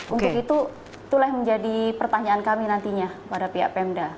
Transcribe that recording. untuk itu itulah yang menjadi pertanyaan kami nantinya kepada pihak pemda